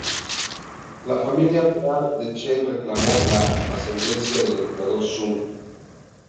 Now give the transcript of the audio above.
La familia real de Chen reclamó la ascendencia del Emperador Shun.